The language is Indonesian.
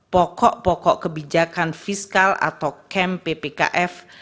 pokok pokok kebijakan fiskal atau camp ppkf